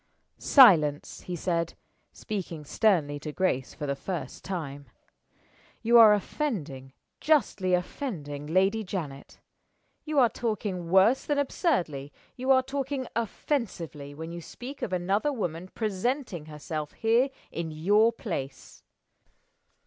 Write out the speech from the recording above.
"Silence!" he said, speaking sternly to Grace for the first time. "You are offending justly offending Lady Janet. You are talking worse than absurdly you are talking offensively when you speak of another woman presenting herself here in your place."